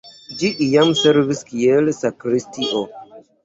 Ĝi iam servis kiel sakristio.